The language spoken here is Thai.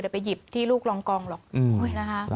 เดี๋ยวไปหยิบที่ลูกรองกองหรอก